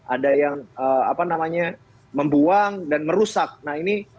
ada yang mengganti